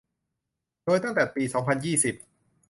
โดยตั้งแต่ปี สองพันยี่สิบ